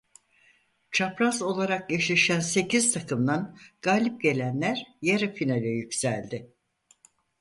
Çapraz olarak eşleşen sekiz takımdan galip gelenler yarı finale yükseldi.